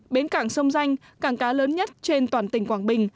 bến cảng sông danh cảng cá lớn nhất trên toàn tỉnh quảng bình